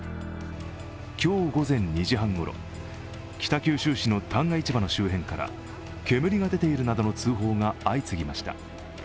今日午前２時半ごろ北九州市の旦過市場の周辺から煙が出ているなどの通報が相次ぎました。